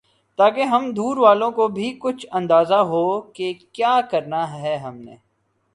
تاکہ ہم دور والوں کو بھی کچھ اندازہ ہوکہ کیا کرنا ہے ہم نے